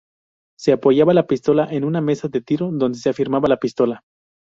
Se apoyaba la pistola en una mesa de tiro, donde se afirmaba la pistola.